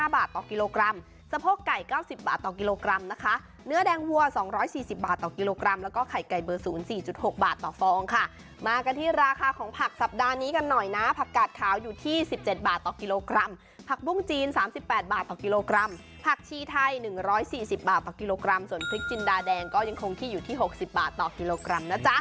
บาทต่อกิโลกรัมสะโพกไก่๙๐บาทต่อกิโลกรัมนะคะเนื้อแดงวัว๒๔๐บาทต่อกิโลกรัมแล้วก็ไข่ไก่เบอร์๐๔๖บาทต่อฟองค่ะมากันที่ราคาของผักสัปดาห์นี้กันหน่อยนะผักกาดขาวอยู่ที่๑๗บาทต่อกิโลกรัมผักบุ้งจีน๓๘บาทต่อกิโลกรัมผักชีไทย๑๔๐บาทต่อกิโลกรัมส่วนพริกจินดาแดงก็ยังคงที่อยู่ที่๖๐บาทต่อกิโลกรัมนะจ๊ะ